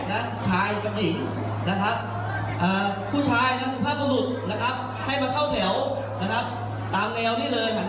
ซ้ายมือลงผมขวามือลุงท่านลุกเลยนะครับมาตอนนี้เลย